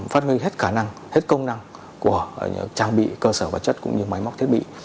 phát huy hết khả năng hết công năng của trang bị cơ sở vật chất cũng như máy móc thiết bị